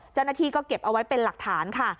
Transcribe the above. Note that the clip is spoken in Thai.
เจ้าหน้าที่ก็เก็บเอาไว้เป็นหลักฐานค่ะ